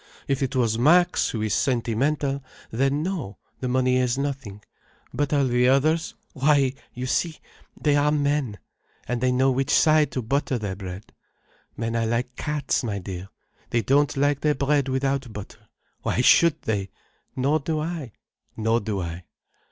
If it was Max, who is sentimental, then no, the money is nothing. But all the others—why, you see, they are men, and they know which side to butter their bread. Men are like cats, my dear, they don't like their bread without butter. Why should they? Nor do I, nor do I."